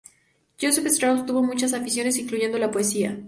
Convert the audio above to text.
Joseph Strauss tuvo muchas aficiones, incluyendo la poesía.